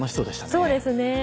そうですね。